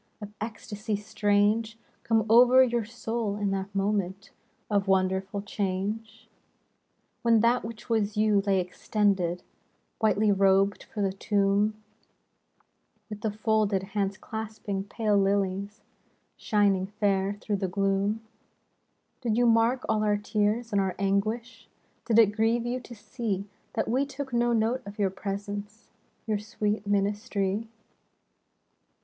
Of ecstasy strange, Come over your soul in that moment Of wonderful change ? When that which was you lay extended Whitely robed for the tomb, With the folded hands clasping pale lilies Shining fair through the gloom, — Did you mark all our tears and our anguish ? Did it grieve you to see That we took no note of your presence ? Your sweet ministry?